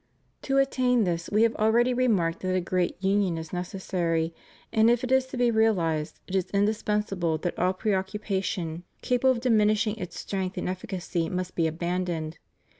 To attain this We have already remarked that a great union is necessary, and if it is to be realized, it is indis spensable that all preoccupation capable of diminishing ALLEGIANCE TO THE REPUBLIC. 255 Sts strength and efficacy must be abandoned.